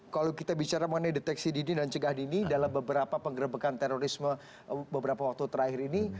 kalau kita bicara mengenai deteksi dini dan cegah dini dalam beberapa penggerbekan terorisme beberapa waktu terakhir ini